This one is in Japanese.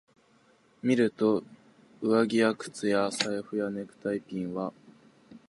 見ると、上着や靴や財布やネクタイピンは、